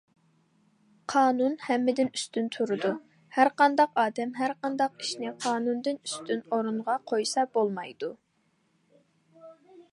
قانۇن ھەممىدىن ئۈستۈن تۇرىدۇ، ھەرقانداق ئادەم ھەر قانداق ئىشنى قانۇندىن ئۈستۈن ئورۇنغا قويسا بولمايدۇ.